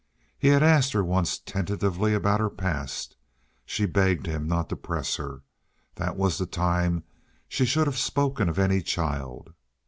He had asked her once tentatively about her past. She begged him not to press her. That was the time she should have spoken of any child.